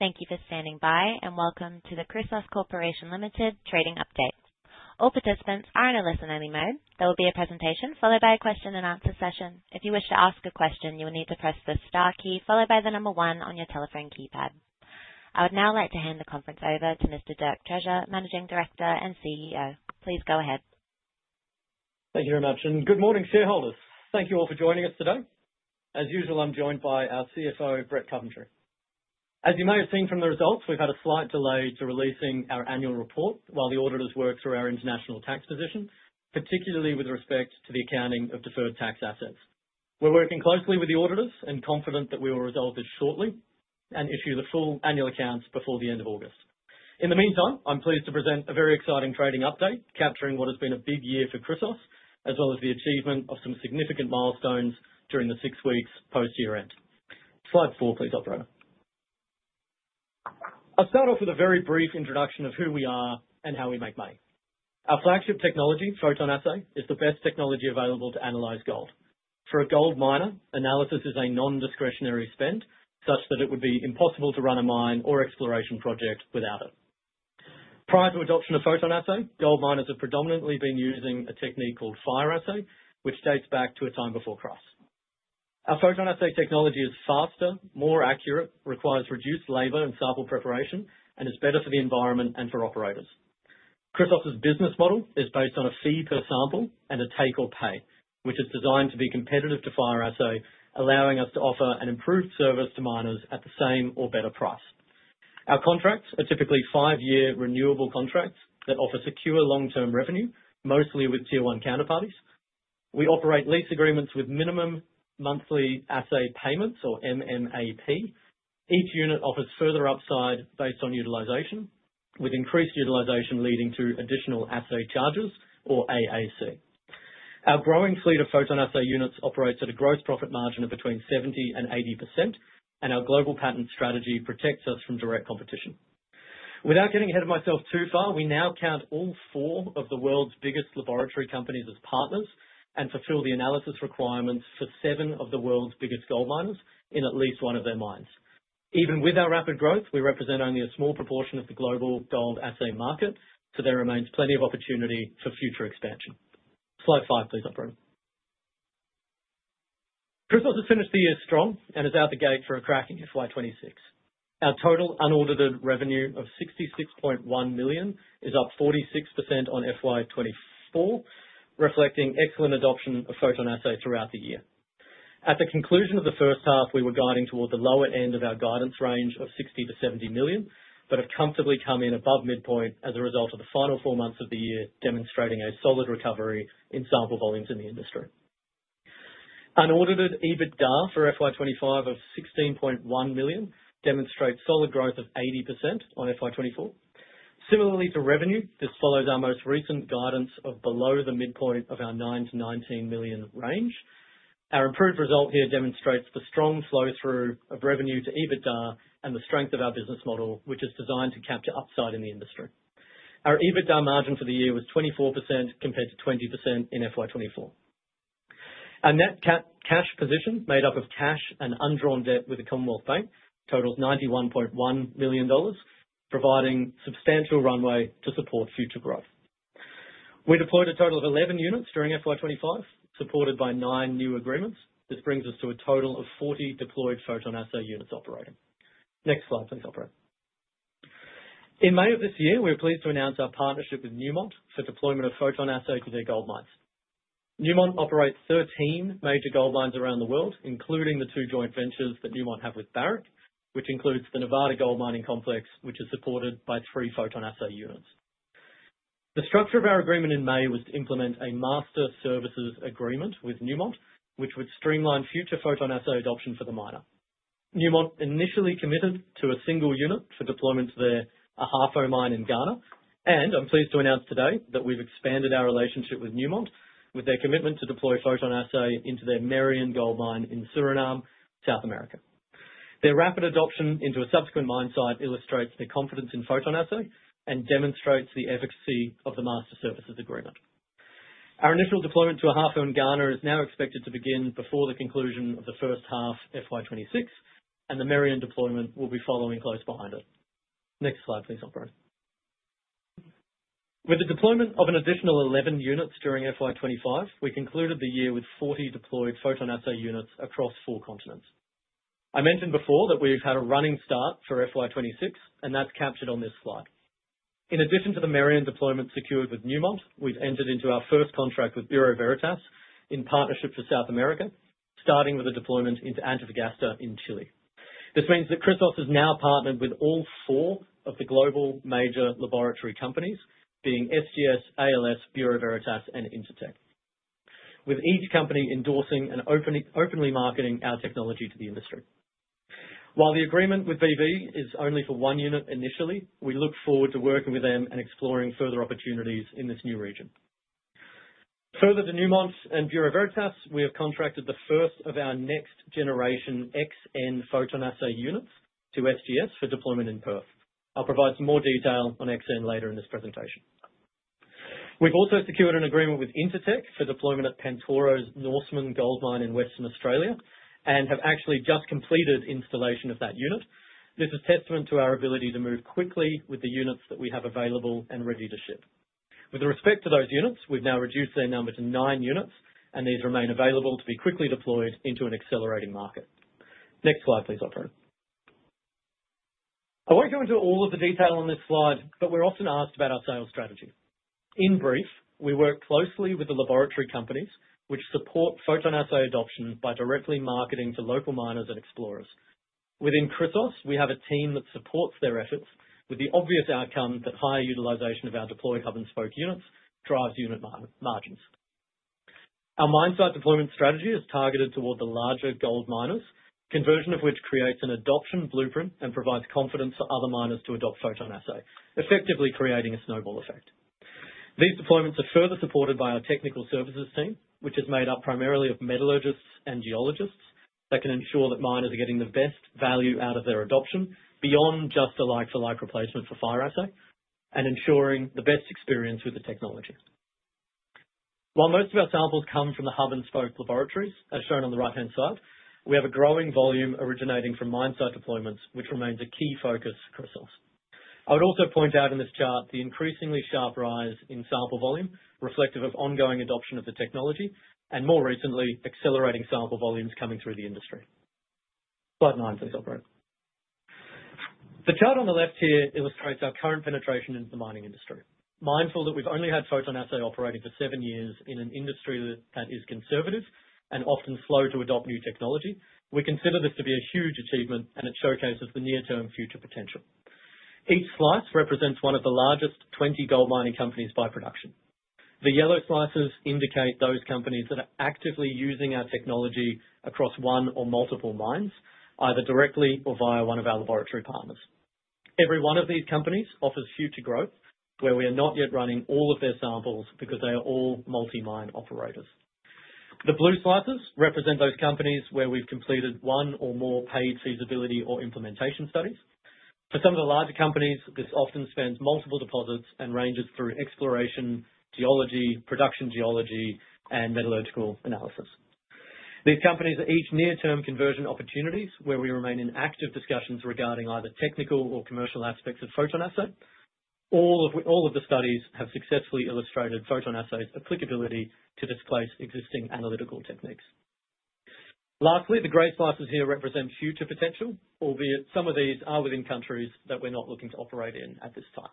Thank you for standing by and welcome to the Chrysos Corporation Limited Trading Update. All participants are in a listen only mode. There will be a presentation followed by a question-and-answer session. If you wish to ask a question you will need to press the star key followed by the number one on your telephone keypad. I would now like to hand the conference over to Mr. Dirk Treasure, Managing Director and CEO. Please go ahead. Thank you very much and good morning shareholders. Thank you all for joining us today. As usual, I'm joined by our CFO Brett Coventry. As you may have seen from the results, we've had a slight delay to releasing our annual report while the auditors work through our international tax position, particularly with respect to the accounting of deferred tax assets. We're working closely with the auditors and confident that we will resolve this shortly and issue the full annual accounts before the end of August. In the meantime, I'm pleased to present a very exciting trading update capturing what has been a big year for Chrysos as well as the achievement of some significant milestones during the six weeks post year end. Slide 4 please, operator. I'll start off with a very brief introduction of who we are and how we make money. Our flagship technology, PhotonAssay, is the best technology available to analyze gold for a gold miner. Analysis is a non-discretionary spend such that it would be impossible to run a mine or exploration project without it. Prior to adoption of PhotonAssay, gold miners have predominantly been using a technique called fire assay which dates back to a time before Chrysos. Our PhotonAssay technology is faster, more accurate, requires reduced labor and sample preparation, and is better for the environment and for operators. Chrysos' business model is based on a fee per sample and a take or pay which is designed to be competitive to fire assay, allowing us to offer an improved service to miners at the same or better price. Our contracts are typically five-year renewable contracts that offer secure long-term revenue, mostly with tier one counterparties. We operate lease agreements with minimum monthly assay payments or MMAP. Each unit offers further upside based on utilization, with increased utilization leading to additional assay charges or AAC. Our growing fleet of PhotonAssay units operates at a gross profit margin of between 70% and 80%, and our global patent strategy protects us from direct competition. Without getting ahead of myself too far, we now count all four of the world's biggest laboratory companies as partners and fulfill the analysis requirements for seven of the world's biggest gold miners in at least one of their mines. Even with our rapid growth, we represent only a small proportion of the global gold assay market, so there remains plenty of opportunity for future expansion. Slide 5 please. Operator, Chrysos has finished the year strong and is out the gate for a cracking FY2026. Our total unaudited revenue of $66.1 million is up 46% on FY2024, reflecting excellent adoption of PhotonAssay throughout the year. At the conclusion of the first half, we were guiding toward the lower end of our guidance range of $60 million-$70 million, but have comfortably come in above midpoint as a result of the final four months of the year, demonstrating a solid recovery in sample volumes in the industry. Unaudited EBITDA for FY2025 of $16.1 million demonstrates solid growth of 80% on FY2024. Similarly to revenue, this follows our most recent guidance of below the midpoint of our $9 million-$19 million range. Our improved result here demonstrates the strong flow through of revenue to EBITDA and the strength of our business model, which is designed to capture upside in the industry. Our EBITDA margin for the year was 24% compared to 20% in FY2024. Our net cash position, made up of cash and undrawn debt with the Commonwealth Bank, totals $91.1 million, providing substantial runway to support future growth. We deployed a total of 11 units during FY2025, supported by nine new agreements. This brings us to a total of 40 deployed PhotonAssay units operating. Next slide please. Operator, in May of this year, we are pleased to announce our partnership with Newmont for deployment of PhotonAssay to their gold mines. Newmont operates 13 major gold mines around the world, including the two joint ventures that Newmont have with Barrick, which includes the Nevada Gold mining complex, which is supported by three PhotonAssay units. The structure of our agreement in May was to implement a Master Services Agreement with Newmont, which would streamline future PhotonAssay adoption for the miner. Newmont initially committed to a single unit for deployment to their Ahafo Mine in Ghana, and I'm pleased to announce today that we've expanded our relationship with Newmont with their commitment to deploy PhotonAssay into their Merian gold mine in Suriname, South America. Their rapid adoption into a subsequent mine site illustrates their confidence in PhotonAssay and demonstrates the efficacy of the Master Services Agreement. Our initial deployment to Ahafo in Ghana is now expected to begin before the conclusion of the first half FY2026, and the Merian deployment will be following close behind it. Next slide please. Operator, with the deployment of an additional 11 units during FY2025. We concluded the year with 40 deployed PhotonAssay units across four continents. I mentioned before that we've had a running start for FY2026 and that's captured on this slide. In addition to the Merian deployment secured with Newmont, we've entered into our first contract with Bureau Veritas in partnership for South America, starting with a deployment into Antofagasta in Chile. This means that Chrysos has now partnered with all four of the global major laboratory companies being SGS, ALS, Bureau Veritas, and Intertek, with each company endorsing and openly marketing our technology to the industry. While the agreement with BV is only for one unit initially, we look forward to working with them and exploring further opportunities in this new region. Further to Newmont and Bureau Veritas, we have contracted the first of our next generation XN PhotonAssay units to SGS for deployment in Perth. I'll provide some more detail on XN later in this presentation. We've also secured an agreement with Intertek for deployment at Pantoro's Norseman Gold mine in Western Australia and have actually just completed installation of that unit. This is testament to our ability to move quickly with the units that we have available and ready to ship. With respect to those units, we've now reduced their number to nine units and these remain available to be quickly deployed into an accelerating market. Next slide please, Operator. I won't go into all of the detail on this slide, but we're often asked about our sales strategy. In brief, we work closely with the laboratory companies which support PhotonAssay adoption by directly marketing to local miners and explorers. Within Chrysos, we have a team that supports their efforts with the obvious outcome that high utilization of our deployed hub and spoke units drives unit margins. Our mine site deployment strategy is targeted toward the larger gold miners, conversion of which creates an adoption blueprint and provides confidence for other miners to adopt PhotonAssay, effectively creating a snowball effect. These deployments are further supported by our technical services team, which is made up primarily of metallurgists and geologists that can ensure that miners are getting the best value out of their adoption beyond just a like-for-like replacement for fire assay and ensuring the best experience with the technology. While most of our samples come from the hub and spoke laboratories as shown on the right-hand side, we have a growing volume originating from mine site deployments, which remains a key focus for Chrysos. I would also point out in this chart the increasingly sharp rise in sample volume, reflective of ongoing adoption of the technology and, more recently, accelerating sample volumes coming through the industry. Slide 9 please, operator. The chart on the left here illustrates our current penetration into the mining industry. Mindful that we've only had PhotonAssay operating for seven years in an industry that is conservative and often slow to adopt new technology, we consider this to be a huge achievement, and it showcases the near-term future potential. Each slice represents one of the largest 20 gold mining companies by production. The yellow slices indicate those companies that are actively using our technology across one or multiple mines, either directly or via one of our laboratory partners. Every one of these companies offers future growth where we are not yet running all of their samples because they are all multi-mine operators. The blue slices represent those companies where we've completed one or more paid feasibility or implementation studies. For some of the larger companies, this often spans multiple deposits and ranges through exploration, geology, production geology, and metallurgical analysis. These companies are each near-term conversion opportunities where we remain in active discussions regarding either technical or commercial aspects of PhotonAssay. All of the studies have successfully illustrated PhotonAssay's applicability to displace existing analytical techniques. Lastly, the gray slices here represent future potential, albeit some of these are within countries that we're not looking to operate in at this time.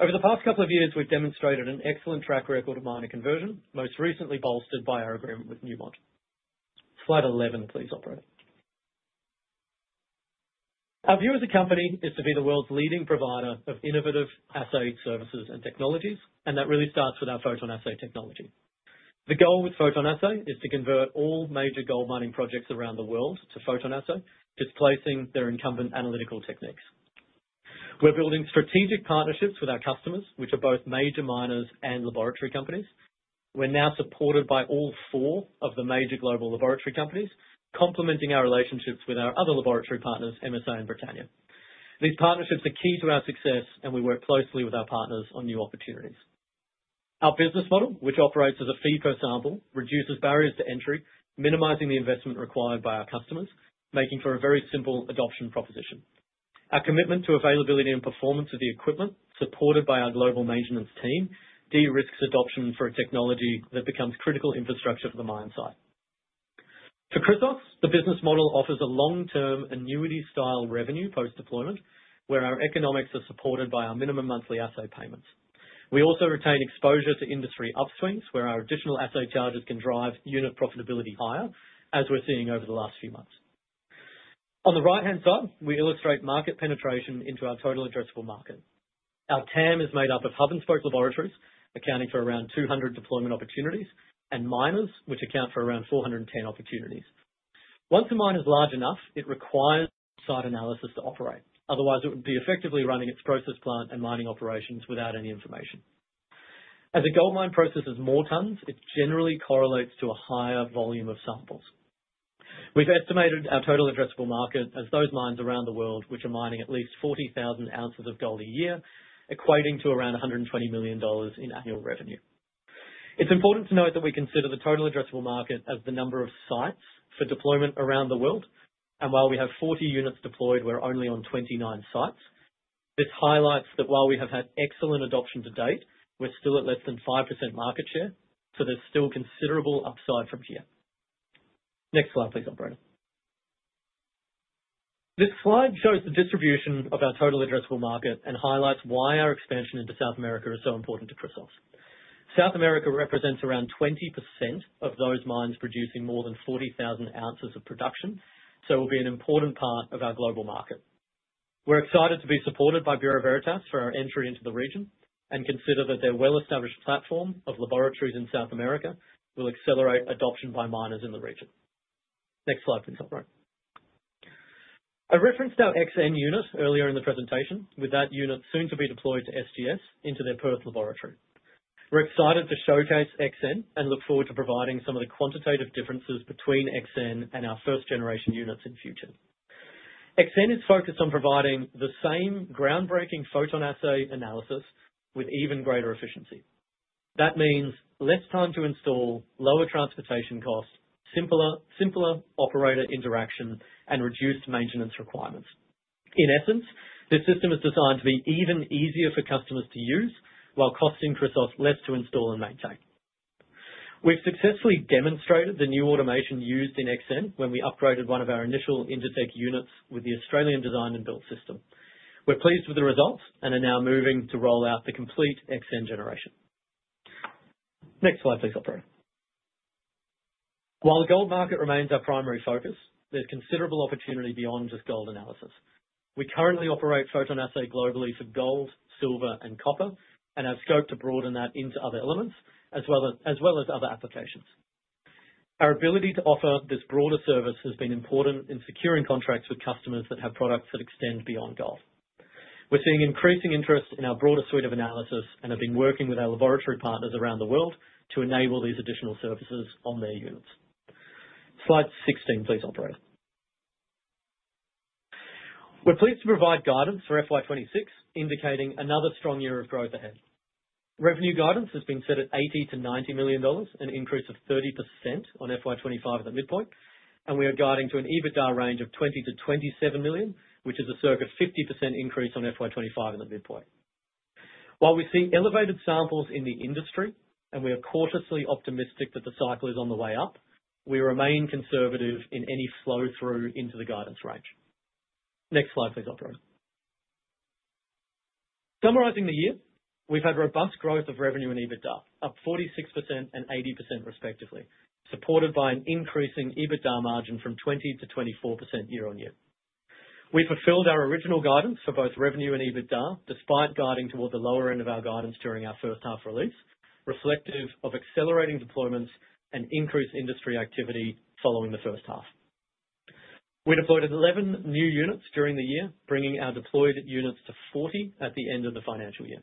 Over the past couple of years, we've demonstrated an excellent track record of miner conversion, most recently bolstered by our agreement with Newmont. Slide 11 please, operator. Our view as a company is to be the world's leading provider of innovative assay services and technologies, and that really starts with our PhotonAssay technology. The goal with PhotonAssay is to convert all major gold mining projects around the world to PhotonAssay, displacing their incumbent analytical techniques. We're building strategic partnerships with our customers, which are both major miners and laboratory companies. We're now supported by all four of the major global laboratory companies, complementing our relationships with our other laboratory partners MSA and Britannia. These partnerships are key to our success, and we work closely with our partners on new opportunities. Our business model, which operates as a fee per sample, reduces barriers to entry, minimizing the investment required by our customers, making for a very simple adoption proposition. Our commitment to availability and performance of the equipment, supported by our global maintenance team, de-risks adoption for a technology that becomes critical infrastructure for the mine site. For Chrysos, the business model offers a long-term annuity style revenue post deployment where our economics are supported by our minimum monthly assay payments. We also retain exposure to industry upswings where our additional assay charges can drive unit profitability higher, as we're seeing over the last few months. On the right-hand side, we illustrate market penetration into our total addressable market. Our TAM is made up of hub and spoke laboratories accounting for around 200 deployment opportunities and miners which account for around 410 opportunities. Once a mine is large enough, it requires site analysis to operate, otherwise it would be effectively running its process, plant, and mining operations without any information. As a gold mine processes more tonnes, it generally correlates to a higher volume of samples. We've estimated our total addressable market as those mines around the world which are mining at least 40,000 ounces of gold a year, equating to around $120 million in annual revenue. It's important to note that we consider the total addressable market as the number of sites for deployment around the world, and while we have 40 units deployed, we're only on 29 sites. This highlights that while we have had excellent adoption to date, we're still at less than 5% market share, so there's still considerable upside from here. Next slide please. Operator, this slide shows the distribution of our total addressable market and highlights why our expansion into South America is so important to Chrysos. South America represents around 20% of those mines producing more than 40,000 ounces of production and so will be an important part of our global market. We're excited to be supported by Bureau Veritas for our entry into the region and consider that their well-established platform of laboratories in South America will accelerate adoption by miners in the region. Next slide please. Operator, I referenced our XN unit earlier in the presentation. With that unit soon to be deployed to SGS into their Perth laboratory, we're excited to showcase XN and look forward to providing some of the quantitative differences between XN and our first generation units in future. XN is focused on providing the same groundbreaking PhotonAssay analysis with even greater efficiency. That means less time to install, lower transportation costs, simpler operator interaction, and reduced maintenance requirements. In essence, this system is designed to be even easier for customers to use while costing Chrysos less to install and maintain. We've successfully demonstrated the new automation used in XN when we upgraded one of our initial Intertek units with the Australian designed and built system. We're pleased with the results and are now moving to roll out the complete XN generation. Next slide please. Operator, while the gold market remains our primary focus, there's considerable opportunity beyond just gold analysis. We currently operate PhotonAssay globally for gold, silver, and copper and have scoped to broaden that into other elements as well as other applications. Our ability to offer this broader service has been important in securing contracts with customers that have products that extend beyond gold. We're seeing increasing interest in our broader suite of analysis and have been working with our laboratory partners around the world to enable these additional services on their units. Slide 16 please. Operator, we're pleased to provide guidance for FY2026 indicating another strong year of growth ahead. Revenue guidance has been set at $80 million-$90 million, an increase of 30% on FY2025 at the midpoint, and we are guiding to an EBITDA range of $20 million-$27 million, which is a circa 50% increase on FY2025 at the midpoint. While we see elevated samples in the industry and we are cautiously optimistic that the cycle is on the way up, we remain conservative in any flow through into the guidance range. Next slide please. Summarizing the year, we've had robust growth of revenue and EBITDA up 46% and 80% respectively, supported by an increasing EBITDA margin from 20%-24% year on year. We fulfilled our original guidance for both revenue and EBITDA despite guiding toward the lower end of our guidance during our first half release, reflective of accelerating deployments and increased industry activity following the first half. We deployed 11 new units during the year, bringing our deployed units to 40 at the end of the financial year.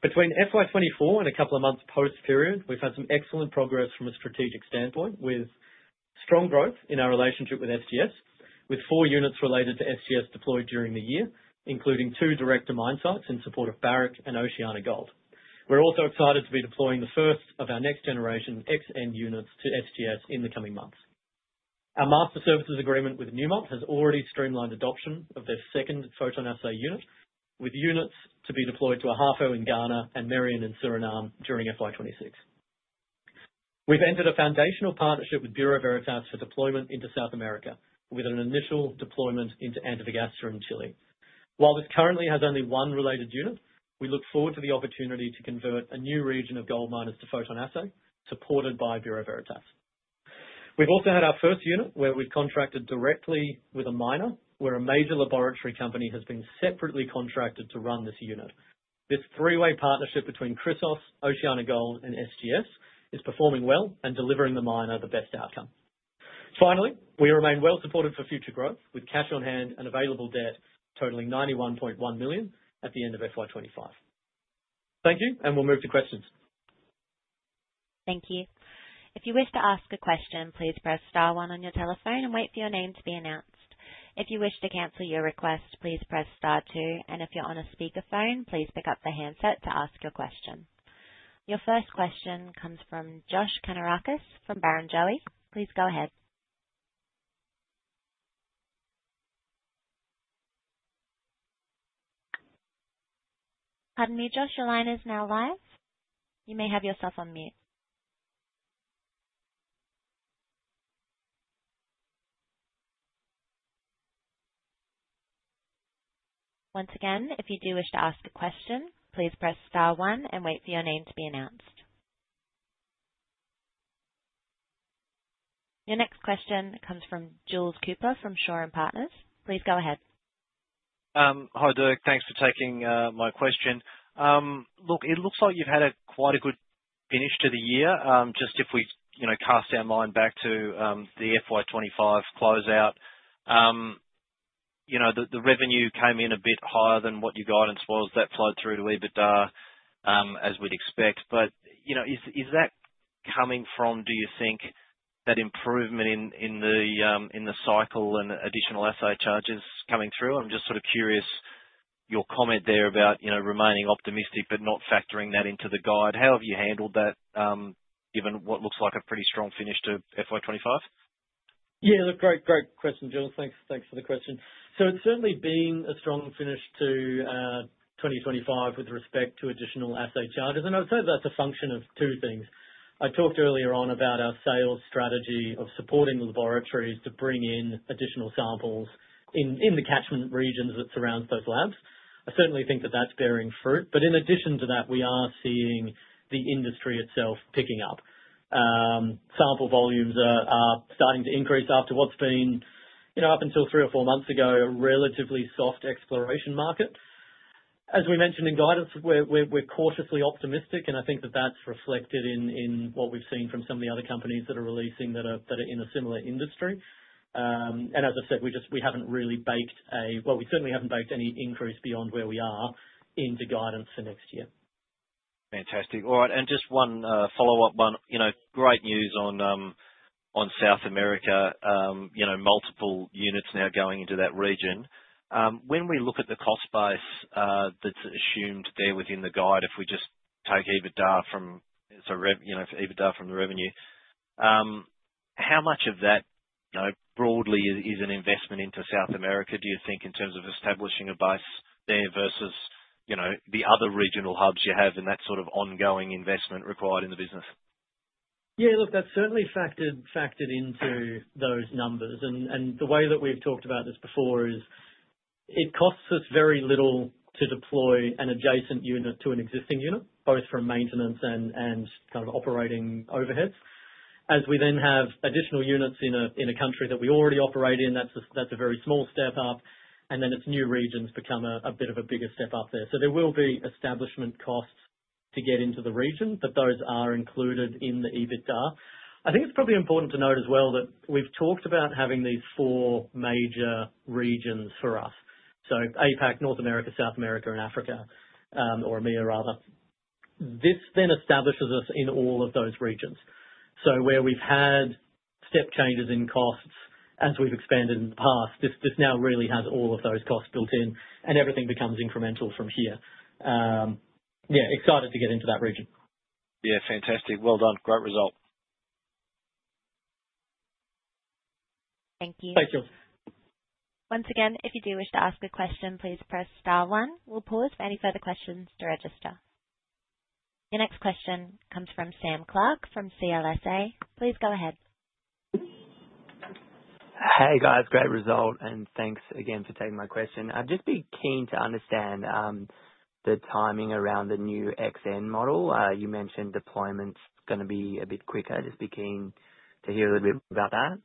Between FY2024 and a couple of months post period, we've had some excellent progress from a strategic standpoint with strong growth in our relationship with SGS, with four units related to SGS deployed during the year, including two direct-to-mine sites in support of Barrick and OceanaGold. We're also excited to be deploying the first of our next-generation XN PhotonAssay units to SGS in the coming months. Our Master Services Agreement with Newmont has already streamlined adoption of their second PhotonAssay unit, with units to be deployed to Ahafo in Ghana and Merian in Suriname during FY2026. We've entered a foundational partnership with Bureau Veritas for deployment into South America, with an initial deployment into Antofagasta in Chile. While this currently has only one related unit, we look forward to the opportunity to convert a new region of gold miners to PhotonAssay supported by Bureau Veritas. We've also had our first unit where we've contracted directly with a miner, where a major laboratory company has been separately contracted to run this unit. This three-way partnership between Chrysos, OceanaGold, and SGS is performing well and delivering the miner the best outcome. Finally, we remain well supported for future growth with cash on hand and available debt totaling $91.1 million at the end of FY2025. Thank you and we'll move to questions. Thank you. If you wish to ask a question, please press Star one on your telephone and wait for your name to be announced. If you wish to cancel your request, please press Star two. If you're on a speakerphone, please pick up the handset to ask your question. Your first question comes from Josh Kannourakis from Barrenjoey, please go ahead. Your line is now live. You may have yourself on mute. Once again, if you do wish to ask a question, please press star one and wait for your name to be announced. Your next question comes from Jules Cooper from Shaw and Partners. Please go ahead. Hi, Dirk, thanks for taking my question. It looks like you've had quite a good finish to the year. If we cast our mind back to the FY2025 closeout, the revenue came in a bit higher than what your guidance was. That flowed through to EBITDA, as we'd expect. Is that coming from, do you think, that improvement in the cycle and additional assay charges coming through? I'm just curious, your comment. They're about, you know, remaining optimistic, but not factoring that into the guide. How have you handled that, given what looks like a pretty strong finish to FY2025? Yeah, great. Great question, Jules. Thanks. Thanks for the question. It's certainly been a strong finish to 2025 with respect to additional assay charges. I'd say that's a function of two things. I talked earlier on about our sales strategy of supporting laboratories to bring in additional samples in the catchment regions that surround those labs. I certainly think that's bearing fruit. In addition to that, we are seeing the industry itself picking up. Sample volumes are starting to increase after what's been, up until three or four months ago, a relatively soft exploration market. As we mentioned in guidance, we're cautiously optimistic and I think that's reflected in what we've seen from some of the other companies that are releasing that are in a similar industry. As I said, we haven't really baked a, we certainly haven't baked any increase beyond where we are into guidance for next year. Fantastic. All right. Just one follow up. Great news on South America. Multiple units now going into that region. When we look at the cost base, that's assumed there within the guide. If we just take EBITDA from EBITDA. From the revenue, how much of that broadly is an investment into South America? Do you think, in terms of establishing? A base there versus the other regional hubs you have. Ongoing investment required in the business? Yeah, look, that's certainly factored into those numbers. The way that we've talked about this before is it costs us very little to deploy an adjacent unit to an existing unit, both for maintenance and kind of operating overheads. As we then have additional units in a country that we already operate in, that's a very small step up. As new regions become a bit of a bigger step up there, there will be establishment costs to get into the region, but those are included in the EBITDA. I think it's probably important to note as well that we've talked about having these four major regions for us: APAC, North America, South America, and Africa, or EMEA, rather. This then establishes us in all of those regions. Where we've had step changes in costs as we've expanded in the past, this now really has all of those costs built in and everything becomes incremental from here. Yeah. Excited to get into that region. Yeah. Fantastic. Great result. Thank you. Thank you once again. If you do wish to ask a question, please press star one. We'll pause for any further questions to register. Your next question comes from Sam Clark from CLSA. Please go ahead. Hey guys, great result and thanks again for taking my question. I'd just be keen to understand the timing around the new XN model you mentioned. Deployment's going to be a bit quicker. Just be keen to hear a little bit about that.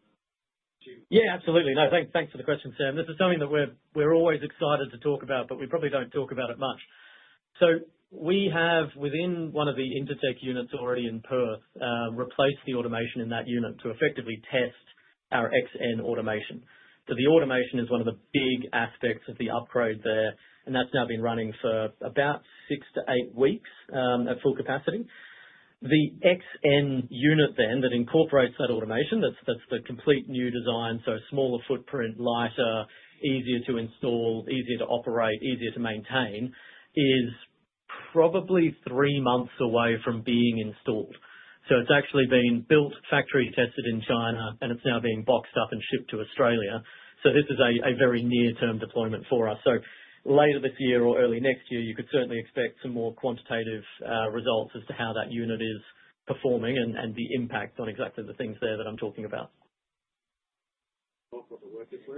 Yeah, absolutely. No, thanks for the question, Sam. This is something that we're always excited to talk about, but we probably don't talk about it much. We have, within one of the Intertek units already in Perth, replaced the automation in that unit to effectively test our XN automation. The automation is one of the biggest aspects of the upgrade there, and that's now been running for about six to eight weeks at full capacity. The XN unit that incorporates that automation, that's the complete new design. Smaller footprint, lighter, easier to install, easier to operate, easier to maintain, is probably three months away from being installed. It's actually been built, factory tested in China, and it's now being boxed up and shipped to Australia. This is a very near term deployment for us. Later this year or early next year, you could certainly expect some more quantitative results as to how that unit is performing and the impact on exactly the things there that I'm talking about.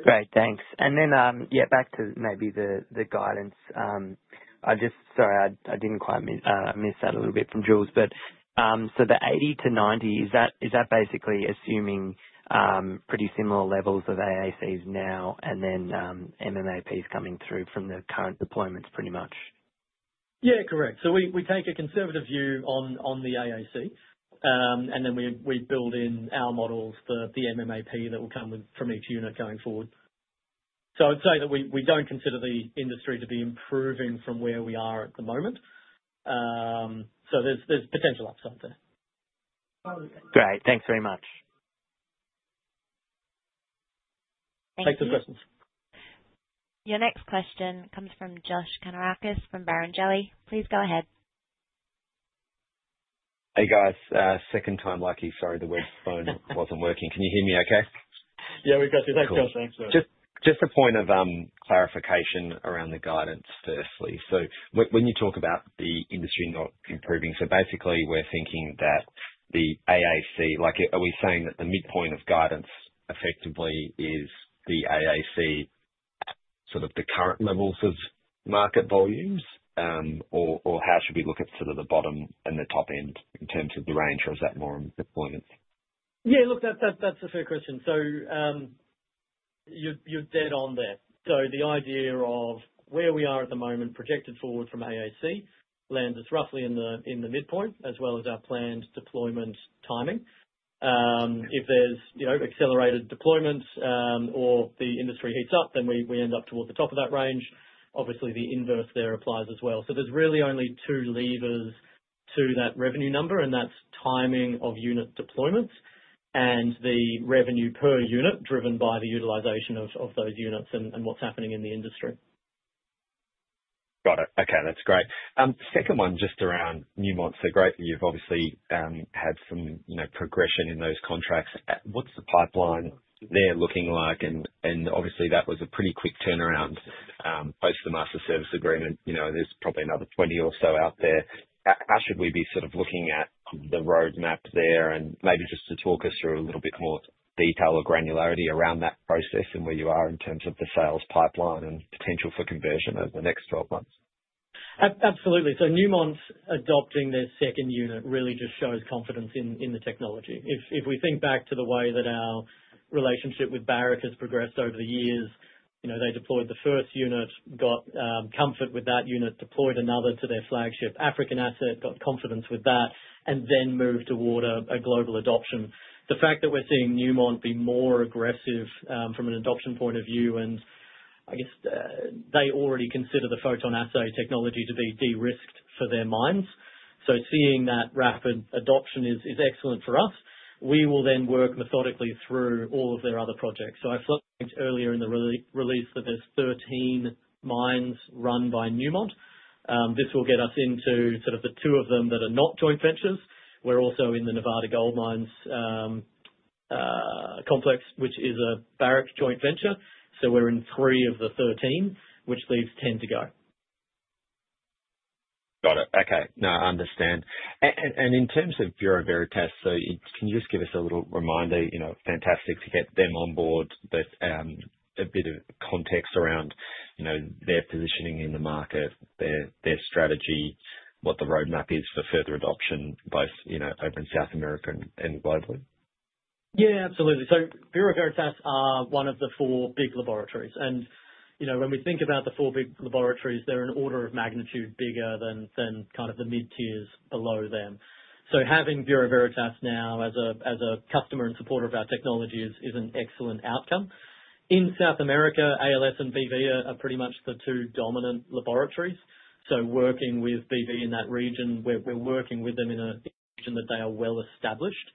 Great, thanks. And then, yeah, back to maybe the guidance. I just. Sorry, I missed that a little bit from Jules. The 80-90, is that basically assuming pretty similar levels of AAC now and then MMAP coming through from the current deployments? Pretty much, yeah. Correct. We take a conservative view on the AAC, and then we build in our models the MMAP that will come from each unit going forward. I'd say that we don't consider the industry to be improving from where we are at the moment. There's potential upside there. Great. Thanks very much. Take those questions. Your next question comes from Josh Kannourakis from Barrenjoey. Please go ahead. Hey, guys, second time lucky. Sorry, the web phone wasn't working. Can you hear me okay? Yeah, we got you. Thanks, Josh. Thanks. Just a point of clarification around the guidance, firstly. When you talk about the industry not improving, basically we're thinking that the AAC, like, are we saying that the midpoint of guidance effectively is the AAC sort of the current levels of market volumes, or how should we look at the bottom and the top end in terms of the range? Is that more deployments? Yeah, look, that's a fair question. You're dead on there. The idea of where we are at the moment projected forward from AAC lands us roughly in the midpoint as well as our planned deployment timing. If there's accelerated deployments or the industry heats up, we end up towards the top of that range. Obviously, the inverse there applies as well. There's really only two levers to that revenue number, and that's timing of unit deployments and the revenue per unit driven by the utilization of those units and what's happening in the industry. Got it. Okay, that's great. Second one just around Newmont. Great that you've obviously had some progression in those contracts. What's the pipeline there looking like? Obviously that was a pretty quick turnaround post the Master Services Agreement. There's probably another 20 or so out there. How should we be sort of looking at the roadmap there? Maybe just talk us through a little bit more detail or granularity around that process and where you are in terms of the sales pipeline and potential for conversion over the next 12 months? Absolutely. Newmont adopting their second unit really just shows confidence in the technology. If we think back to the way that our relationship with Barrick has progressed over the years, they deployed the first unit, got comfort with that unit, deployed another to their flagship African asset, got confidence with that, and then moved toward a global adoption. The fact that we're seeing Newmont be more aggressive from an adoption point of view, and I guess they already consider the PhotonAssay technology to be de-risked for their mines, seeing that rapid adoption is excellent for us. We will then work methodically through all of their other projects. I mentioned earlier in the release that there are 13 mines run by Newmont. This will get us into two of them that are not joint ventures. We're also in the Nevada Gold Mines complex, which is a Barrick joint venture. We're in three of the 13, which leaves 10 to go. Got it. Okay. No, I understand. In terms of Bureau Veritas, can you just give us a little reminder, you know, fantastic to get them on board, a bit of context around their positioning in the market, their strategy, what the roadmap is for further adoption both over in South America and globally? Yeah, absolutely. Bureau Veritas are one of the four big laboratories. When we think about the four big laboratories, they're an order of magnitude bigger than the mid tiers below them. Having Bureau Veritas now as a customer in support of our technology is an excellent outcome. In South America, ALS and BV are pretty much the two dominant laboratories. Working with BV in that region, they're well established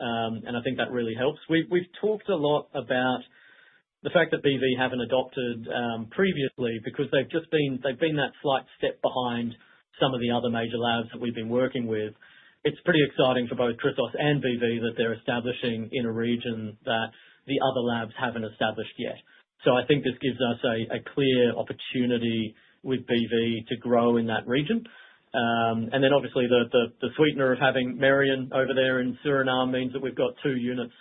and I think that really helps. We've talked a lot about the fact that BV haven't adopted previously because they've just been that slight step behind some of the other major labs that we've been working with. It's pretty exciting for both Chrysos and BV that they're establishing in a region that the other labs haven't established yet. I think this gives us a clear opportunity with BV to grow in that region. Obviously, the sweetener of having Merian over there in Suriname means that we've got two units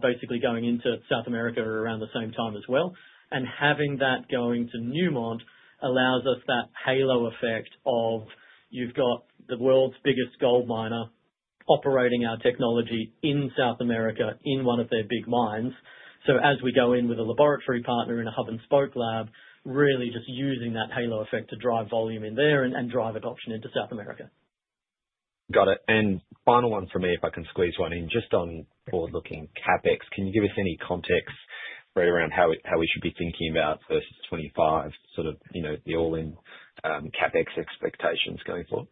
basically going into South America around the same time as well. Having that going to Newmont allows us that halo effect of you've got the world's biggest gold miner operating our technology in South America in one of their big mines. As we go in with a laboratory partner in a hub and spoke labor, really just using that halo effect to drive volume in there and drive adoption into South America. Got it. Final one for me, if I can squeeze one in. Just on forward looking CapEx, can you give us any context around how we should be thinking about versus 2025, sort of the all-in CapEx expectations going forward?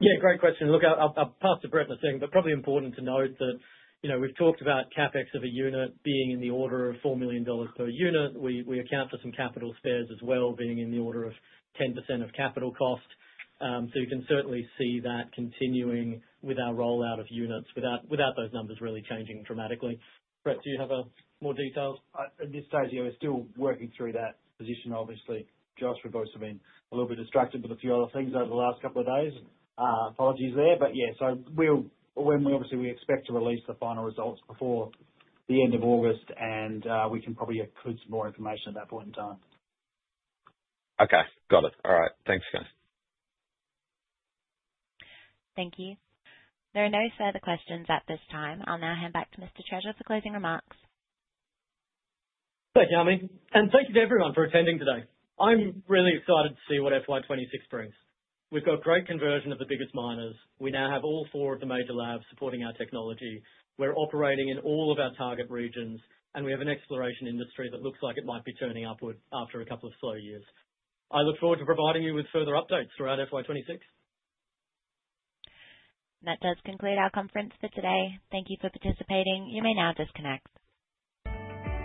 Yeah, great question. Look, I'll pass to Brett in a second. It's probably important to note that we've talked about CapEx of a unit being in the order of $4 million per unit. We account for some capital spares as well, being in the 10% of capital cost. You can certainly see that continuing with our rollout of units without those numbers really changing dramatically. Brett, do you have more details at this stage? We're still working through that position, obviously, Josh. We've also been a little bit distracted with a few other things over the last couple of days. Apologies there, but yeah. We expect to release the final results before the end of August and we can probably include some more information at that point in time. Okay, got it. All right, thanks, guys. Thank you. There are no further questions at this time. I'll now hand back to Mr. Treasure for closing remarks. Thank you, Ami. Thank you to everyone for attending today. I'm really excited to see what FY2026 brings. We've got great conversion of the biggest miners. We now have all four of the major labs supporting our technology. We're operating in all of our target regions, and we have an exploration industry that looks like it might be turning upward after a couple of slow years. I look forward to providing you with further updates throughout FY2026. That does conclude our conference for today. Thank you for participating. You may now disconnect.